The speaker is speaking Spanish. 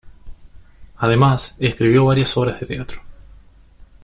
Además, escribió varias obras de teatro.